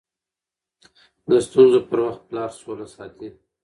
د ستونزو پر وخت پلار سوله ساتي.